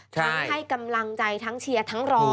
ให้กำลังใจทั้งเชียร์ทั้งรอ